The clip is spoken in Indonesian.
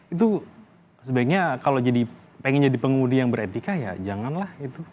itu sebaiknya kalau pengen jadi pengundi yang beretika ya janganlah itu